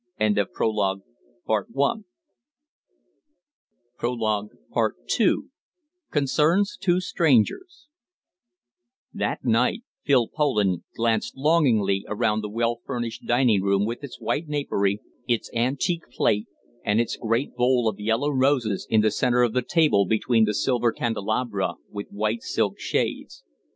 II CONCERNS TWO STRANGERS That night Phil Poland glanced longingly around the well furnished dining room with its white napery, its antique plate, and its great bowl of yellow roses in the centre of the table between the silver candelabra with white silk shades.